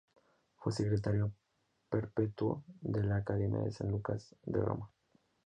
Fue secretario perpetuo de la Academia de San Lucas de Roma.